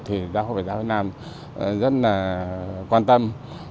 thì giáo hội phật giáo việt nam rất là quan tâm